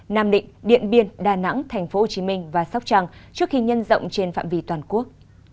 nam định điện biên đà nẵng tp hcm và sóc trăng trước khi nhân rộng trên phạm vi toàn quốc